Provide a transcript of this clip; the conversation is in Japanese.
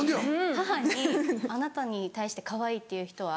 母に「あなたに対してかわいいって言う人は。